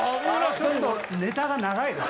ちょっとネタが長いです。